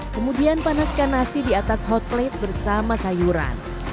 kemudian panaskan nasi di atas hot plate bersama sayuran